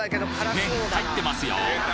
麺入ってますよ！